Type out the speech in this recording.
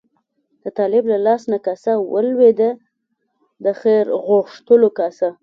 د طالب له لاس نه کاسه ولوېده، د خیر غوښتلو کاسه.